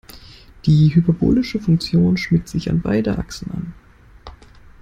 Die hyperbolische Funktion schmiegt sich an beide Achsen an.